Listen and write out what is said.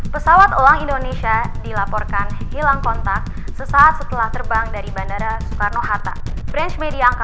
pesawat uang indonesia dengan nomor penerbangan ea tiga ratus tujuh puluh empat dilaporkan hilang kontak sejak pukul sepuluh pagi waktu indonesia bagian barat